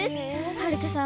はるかさん